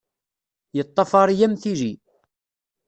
Yeṭṭafar-iyi am tili.